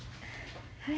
はい。